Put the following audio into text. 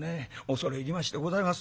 恐れ入りましてございます」。